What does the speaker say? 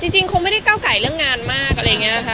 จริงคงไม่ได้เก้าไก่เรื่องงานมากอะไรอย่างนี้ค่ะ